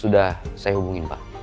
sudah saya hubungin pak